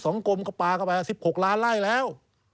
สองกลมกับปลากลายไป๑๖ล้านไร่แล้ว